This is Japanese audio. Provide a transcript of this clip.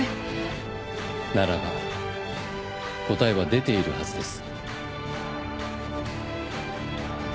ならば答えは出ているはずです。